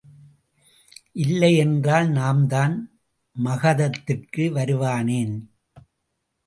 இல்லை என்றால் நாம்தான் மகதத்திற்கு வருவானேன்?